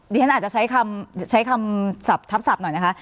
นี่อาจจะใช้คำทับหน่อยนะคะ